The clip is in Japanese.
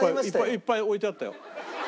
いっぱい置いてあったよ。